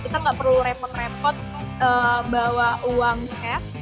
kita nggak perlu repot repot bawa uang cash